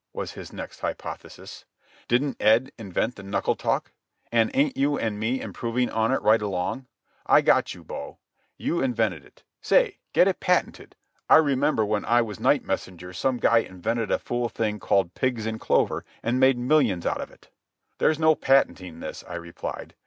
was his next hypothesis. "Didn't Ed invent the knuckle talk? And ain't you and me improving on it right along? I got you, bo. You invented it. Say, get it patented. I remember when I was night messenger some guy invented a fool thing called Pigs in Clover and made millions out of it." "There's no patenting this," I replied.